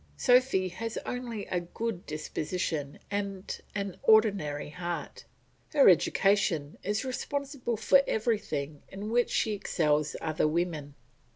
Sophy has only a good disposition and an ordinary heart; her education is responsible for everything in which she excels other women.